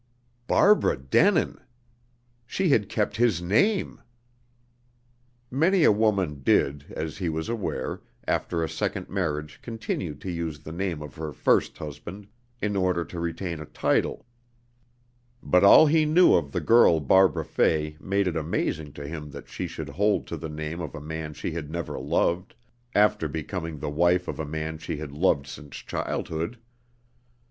"Barbara Denin." ... She had kept his name! Many a woman did (he was aware) after a second marriage continue to use the name of her first husband, in order to retain a title. But all he knew of the girl Barbara Fay made it amazing to him that she should hold to the name of a man she had never loved, after becoming the wife of a man she had loved since childhood.